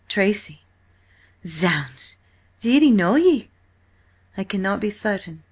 Tracy." "Zounds! Did he know ye?" "I cannot be certain.